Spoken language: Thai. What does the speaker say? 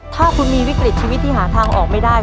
ถ้าคุณมีวิกฤตชีวิตที่หาทางออกไม่ได้